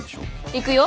行くよ。